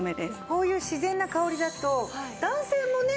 こういう自然な香りだと男性もね。